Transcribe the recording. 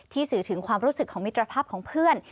สื่อถึงความรู้สึกของมิตรภาพของเพื่อน